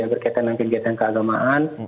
berkaitan dengan kegiatan keagamaan